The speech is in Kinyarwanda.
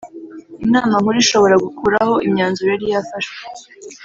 Inama Nkuru ishobora gukuraho imyanzuro yari yafashwe